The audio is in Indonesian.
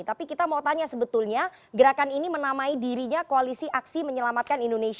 tapi kita mau tanya sebetulnya gerakan ini menamai dirinya koalisi aksi menyelamatkan indonesia